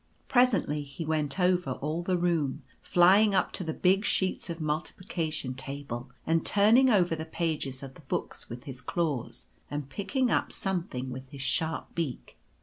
Presently he went over all the room, flying up to the big sheets of multiplication table, and turning over the pages of the books with his claws, and picking up Some thing with his sharp beak.